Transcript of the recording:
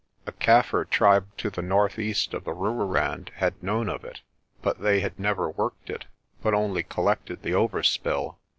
A Kaffir tribe to the northeast of the Rooirand had known of it, but they had never worked it, but only collected the overspill.